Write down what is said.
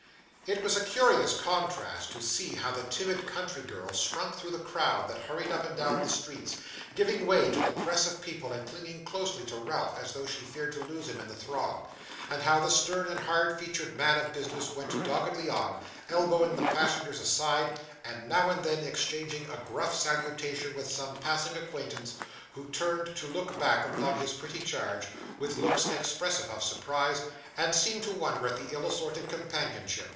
It was a curious contrast to see how the timid country girl shrunk through the crowd that hurried up and down the streets, giving way to the press of people, and clinging closely to Ralph as though she feared to lose him in the throng; and how the stern and hard featured man of business went doggedly on, elbowing the passengers aside, and now and then exchanging a gruff salutation with some passing acquaintance, who turned to look back upon his pretty charge, with looks expressive of surprise, and seemed to wonder at the ill assorted companionship.